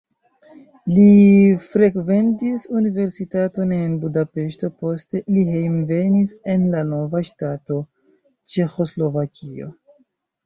Li frekventis universitaton en Budapeŝto, poste li hejmenvenis en la nova ŝtato Ĉeĥoslovakio.